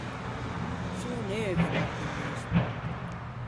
Son neuvo d’arpinismo.